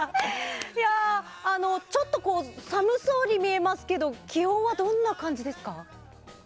ちょっと寒そうに見えますけど気温はどんな感じですか？